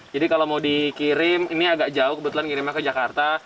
jadi kalau mau dikirim ini agak jauh kebetulan dikirimnya ke jakarta